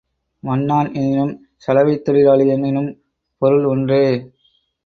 வண்ணான் எனினும் சலவைத் தொழிலாளி எனினும் பொருள் ஒன்றே.